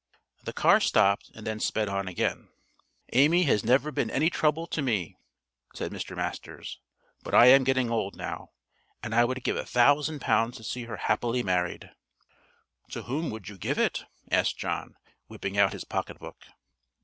The car stopped and then sped on again. "Amy has never been any trouble to me," said Mr. Masters, "but I am getting old now, and I would give a thousand pounds to see her happily married." "To whom would you give it?" asked John, whipping out his pocket book.